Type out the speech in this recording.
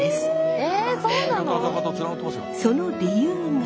その理由が。